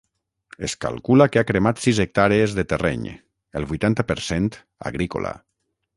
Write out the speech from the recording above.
Es calcula que ha cremat sis hectàrees de terreny, el vuitanta per cent, agrícola.